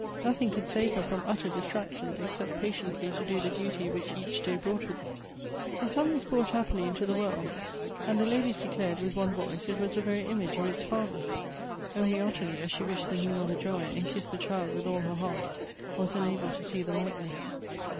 Nothing could save her from utter distraction, except patiently to do the duty which each day brought with it. A son was brotight happily into the world, and the 232 Goethe's ^ ladies declared, with one voice, it was the very image of its father. Only Ottilie, as she wished the new mother joy, and kissed the child with all her heart, was unable to see the likeness.